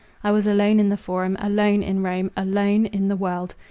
I was alone in the Forum; alone in Rome; alone in the world.